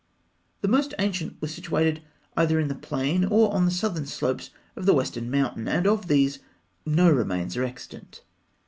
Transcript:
The most ancient were situated either in the plain or on the southern slopes of the western mountain; and of these, no remains are extant.